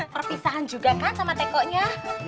perpisahan juga kan sama tekonya